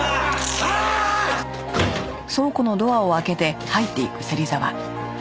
ああーっ！